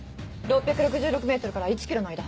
６６６ｍから１ｋｍの間。